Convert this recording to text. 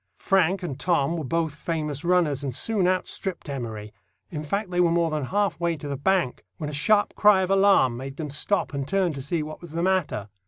Frank and Tom were both famous runners, and soon outstripped Emory; in fact, they were more than half way to the bank, when a sharp cry of alarm made them stop and turn to see what was the matter.